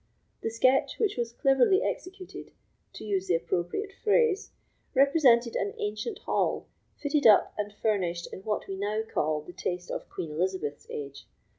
The sketch, which was cleverly executed, to use the appropriate phrase, represented an ancient hall, fitted up and furnished in what we now call the taste of Queen Elizabeth's age.